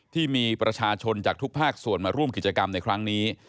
ที่มีประชาชนจากทุกภาคส่วนมาร่วมกิจกรรมในครั้งนี้